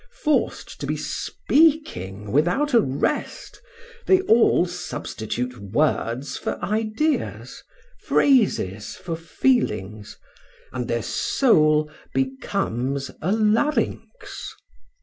Forced to be speaking without a rest, they all substitute words for ideas, phrases for feelings, and their soul becomes a larynx.